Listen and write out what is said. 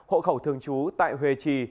hộ khẩu thường trú tại huệ trì